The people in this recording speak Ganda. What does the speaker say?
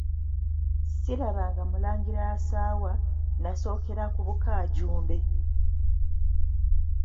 Sirabanga Mulangira asaawa, Nnasookera ku Bukaajumbe.